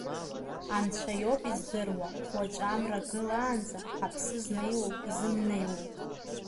Анцәа иоуп издыруа, уаҵәы амра гылаанӡа ҳаԥсы знеиуоу-изымнеиуоу.